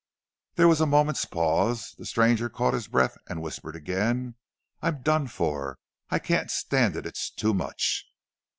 There was a moment's pause. The stranger caught his breath, and whispered again: "I'm done for! I can't stand it! it's too much!"